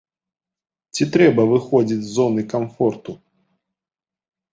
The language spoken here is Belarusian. Ці трэба выходзіць з зоны камфорту?